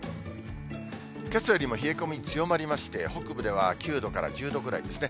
けさよりも冷え込み強まりまして、北部では９度から１０度ぐらいですね。